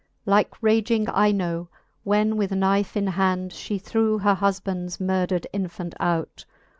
XLVII. Like raging Ino^ when with" knife in hand She threw her hufband's murdred infant out